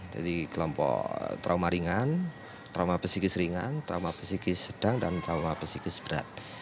jadi kelompok trauma ringan trauma psikis ringan trauma psikis sedang dan trauma psikis berat